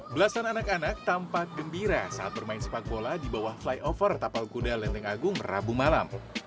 belasan anak anak tampak gembira saat bermain sepak bola di bawah flyover tapal kuda lenteng agung rabu malam